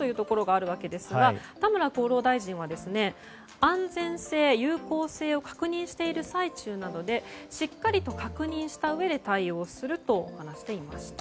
田村厚労大臣は安全性・有効性を確認している最中なのでしっかりと確認したうえで対応すると話していました。